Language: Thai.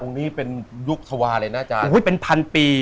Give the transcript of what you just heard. ตรงนี้เป็นลูกทวาเลยนะอาจารย์อุ้ยเป็นพันปี